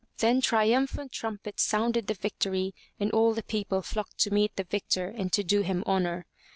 Then triumphant trumpets sounded the victory and all the people flocked to meet the victor and to do him honor.